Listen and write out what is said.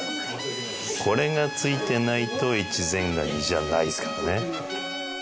これが付いてないと越前ガニじゃないからね。